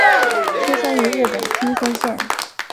出身于日本青森县。